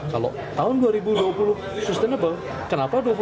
kalau tahun dua ribu dua puluh sustainable kenapa dua ribu dua puluh sustainable